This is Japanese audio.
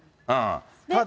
ただ。